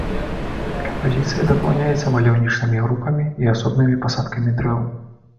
Кампазіцыя дапаўняецца маляўнічымі групамі і асобнымі пасадкамі дрэў.